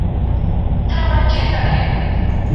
نه هدف چاته معلوم دی نه په راز یې څوک پوهیږي